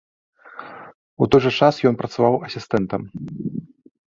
У той жа час ён працаваў асістэнтам.